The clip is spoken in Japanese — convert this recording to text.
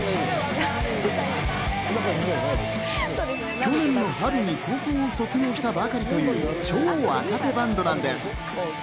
去年の春に高校を卒業したばかりという、超若手バンドなんです。